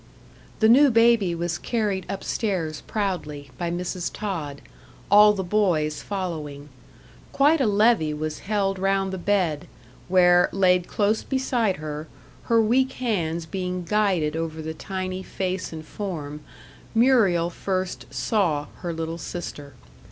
The new baby was carried up stairs proudly, by Mrs. Tod, all the boys following. Quite a levee was held round the bed, where, laid close beside her, her weak hands being guided over the tiny face and form, Muriel first "saw" her little sister.